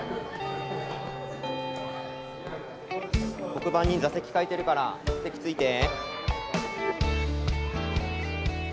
黒板に座席書いてるから席着いて。